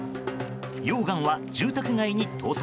溶岩は住宅街に到達。